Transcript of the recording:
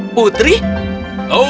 aku mengirimnya kepadamu